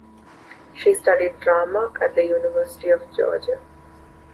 She studied drama at the University of Georgia.